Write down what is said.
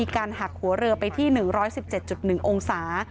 ขับหัวเรือไปที่๑๑๗๑องศา